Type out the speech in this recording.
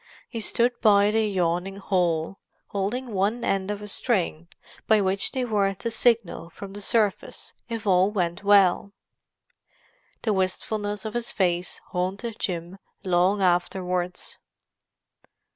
He stood by the yawning hole, holding one end of a string by which they were to signal from the surface, if all went well. The wistfulness of his face haunted Jim long afterwards.